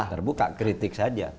terbuka kritik saja